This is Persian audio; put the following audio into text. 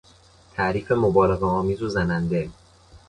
تعریف مبالغه آمیز و زننده